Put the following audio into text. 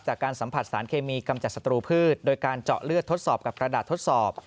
จากการสัมผัสสารเคมีกำจัดศัตรูพืชโดยการเจาะเลือดทดสอบกับกระดาษทดสอบ